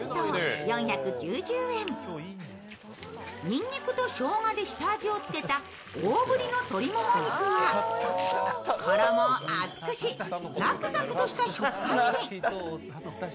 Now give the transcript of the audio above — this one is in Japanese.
にんにくとしょうがで下味を付けた、大ぶりの鶏もも肉が衣を厚くし、ザクザクとした食感に。